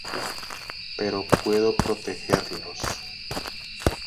Pero puedo protegerlos".